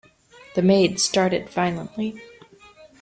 The maid started violently.